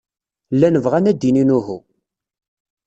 Llan bɣan ad d-inin uhu.